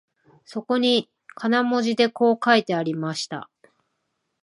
そこに金文字でこう書いてありました